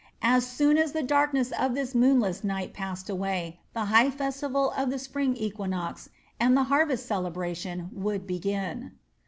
As soon as the darkness of this moonless night passed away, the high festival of the spring equinox and the harvest celebration would begin.